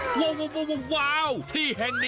ว้าวที่แห่งนี้จะกลายเป็นเกษตรทำเงินไปแล้วครับ